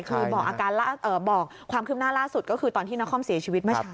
คือบอกความคืบหน้าล่าสุดก็คือตอนที่นครเสียชีวิตเมื่อเช้า